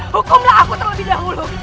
hukumlah aku terlebih dahulu